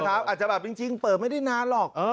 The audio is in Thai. อาจจะแบบจริงเปิดไม่ได้นานหรอก